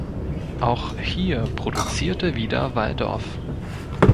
Auch hier produzierte wieder Walldorf.